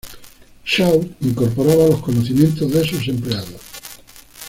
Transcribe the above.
Schaub incorporaba los conocimientos de sus Empleados.